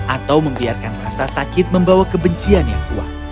atau membiarkan rasa sakit membawa kebencian yang kuat